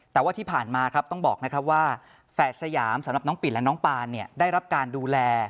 แต่ว่าที่ผ่านมาครับต้องบอกนะครับว่าแฝดสยามสำหรับน้องปิดและน้องปานได้รับการดูแล